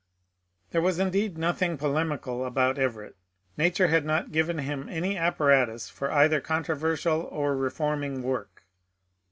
^ There was indeed no thing polemical about Everett ; nature had not given him any apparatus for either controversial or reforming work.